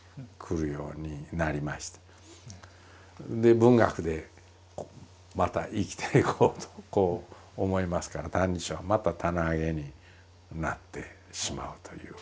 で文学でまた生きていこうとこう思いますから「歎異抄」はまた棚上げになってしまうという。